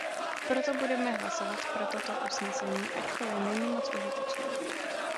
Proto budeme hlasovat pro toto usnesení, ačkoli není moc užitečné.